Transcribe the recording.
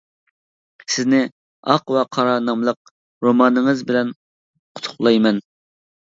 سىزنى «ئاق ۋە قارا» ناملىق رومانىڭىز بىلەن قۇتلۇقلايمەن!